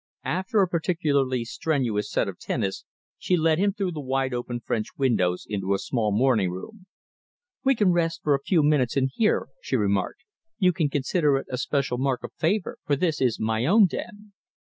After a particularly strenuous set of tennis, she led him through the wide open French windows into a small morning room. "We can rest for a few minutes in here," she remarked. "You can consider it a special mark of favour, for this is my own den."